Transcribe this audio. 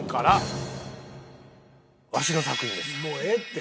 もうええって。